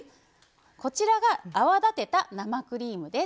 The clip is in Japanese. こちらが泡立てた生クリームです。